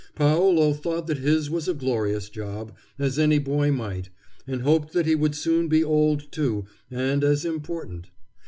Paolo thought that his was a glorious job, as any boy might, and hoped that he would soon be old, too, and as important.